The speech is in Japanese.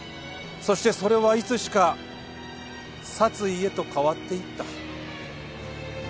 そしてそれはいつしか殺意へと変わっていった。